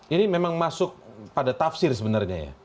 ini memang masuk pada tafsir sebenarnya ya